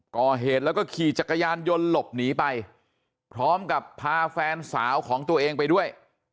ก่อเหตุแล้วก็ขี่จักรยานยนต์หลบหนีไปพร้อมกับพาแฟนสาวของตัวเองไปด้วย